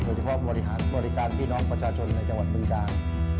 โดยเฉพาะบริหารบริการพี่น้องประชาชนในจังหวัดบุญการ